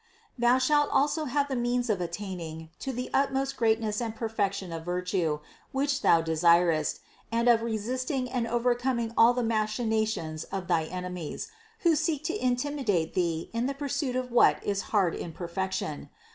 Thou shalt also have the means of attaining to the utmost greatness and perfection of virtue, which thou desirest, and of re sisting and overcoming all the machinations of thy ene mies, who seek to intimidate thee in the pursuit of what is hard in perfection.